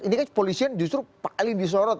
ini kan polisian justru paling disorot